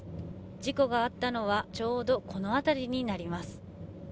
事故があったのは、ちょうどこの辺りになります。